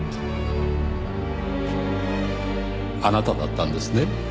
あなただったんですね？